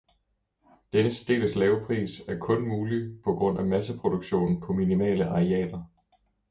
Denne særdeles lave pris er kun mulig på grund af masseproduktion på minimale arealer.